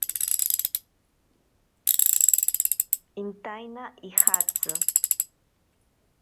Intaina ijatsi.